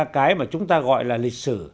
cái mà chúng ta gọi là lịch sử